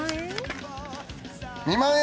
２万円？